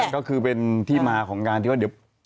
ก็คือเป็นที่มาของการที่ว่าเดี๋ยว